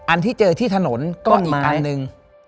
อันที่เจอที่ถนนก็อีกอันหนึ่ง